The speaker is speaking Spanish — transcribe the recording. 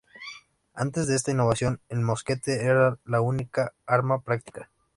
Antes de esta innovación, el mosquete era la única arma práctica.